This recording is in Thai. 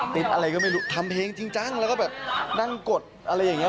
อะไรก็ไม่รู้ทำเพลงจริงจังแล้วก็แบบนั่งกดอะไรอย่างนี้